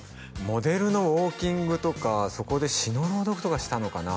モデルのウォーキングとかそこで詩の朗読とかしたのかな